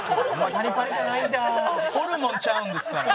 ホルモンちゃうんですから。